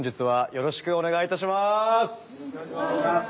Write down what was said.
よろしくお願いします。